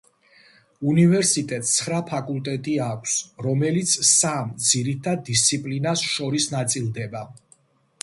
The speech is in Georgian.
უნივერსიტეტს ცხრა ფაკულტეტი აქვს, რომელიც სამ „ძირითად დისციპლინას“ შორის ნაწილდება.